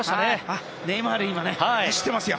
あ、今ネイマールが走ってますよ！